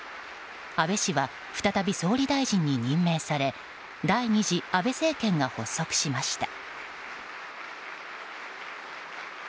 安倍氏は再び総理大臣に任命され第２次安倍政権が発足しました。